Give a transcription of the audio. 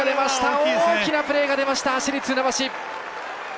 大きなプレーが出ました市立船橋。